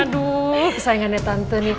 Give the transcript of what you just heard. aduh sayangannya tante nih